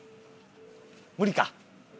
無理か？